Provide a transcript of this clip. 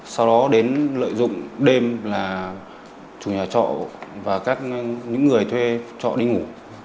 sau đó đến lợi dụng đêm là chủ nhà trọ và các những người thuê trọ đi ngủ